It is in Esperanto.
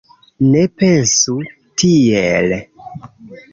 Ne pensu tiel